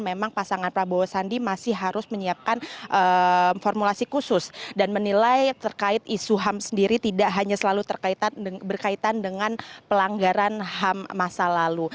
memang pasangan prabowo sandi masih harus menyiapkan formulasi khusus dan menilai terkait isu ham sendiri tidak hanya selalu berkaitan dengan pelanggaran ham masa lalu